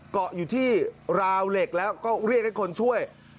เกาะอยู่ที่ราวเหล็กแล้วก็เรียกให้คนช่วย